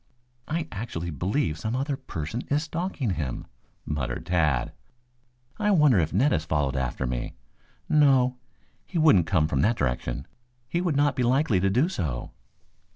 "I actually believe some other person is stalking him," muttered Tad. "I wonder if Ned has followed after me? No, he wouldn't come from that direction. He would not be likely to do so."